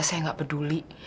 saya tidak peduli